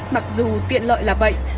mặc dù tiện lợi là vậy